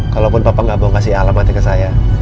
kalaupun papa gak mau kasih alamatnya ke saya